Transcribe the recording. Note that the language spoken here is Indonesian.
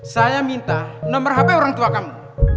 saya minta nomor hp orang tua kamu